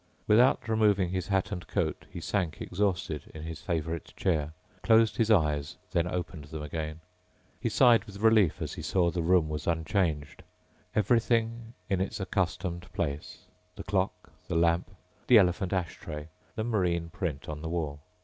Without removing his hat and coat, he sank exhausted in his favorite chair, closed his eyes then opened them again. He sighed with relief as he saw the room was unchanged. Everything in its accustomed place: the clock, the lamp, the elephant ash tray, the marine print on the wall.